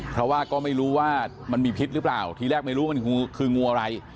เพราะว่าก็ไม่รู้ว่ามันมีพิษหรือเปล่าทีแรกไม่รู้มันคืองูอะไร